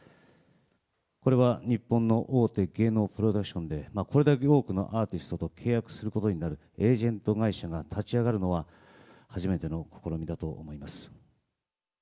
これは日本の大手芸能プロダクションで、これだけ多くのアーティストと契約することになるエージェント会社が立ち上がるのは初めての試みだと思います。